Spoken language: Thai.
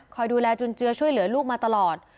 ดูแลจุนเจือช่วยเหลือลูกมาตลอด